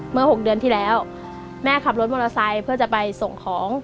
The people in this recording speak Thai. ๖เดือนที่แล้วแม่ขับรถมอเตอร์ไซค์เพื่อจะไปส่งของ